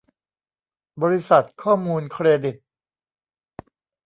บริษัทข้อมูลเครดิต